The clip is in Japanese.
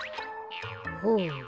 ほう。